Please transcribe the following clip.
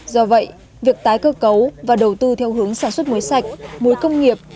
do vậy việc tái cơ cấu và đầu tư theo hướng sản xuất muối sạch muối công nghiệp